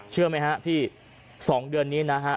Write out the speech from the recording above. เชื่อไหมฮะพี่๒เดือนนี้นะฮะ